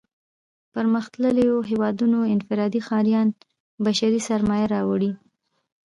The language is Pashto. پرمختلليو هېوادونو انفرادي ښاريان بشري سرمايه راوړي.